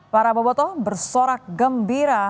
para bobotoh bersorak gembira